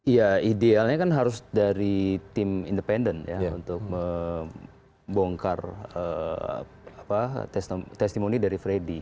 ya idealnya kan harus dari tim independen ya untuk membongkar testimoni dari freddy